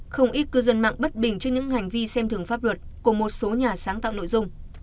không ít cư dân mạng bất bình cho những hành vi xem thường pháp luật của một số nhà sáng tạo nội dung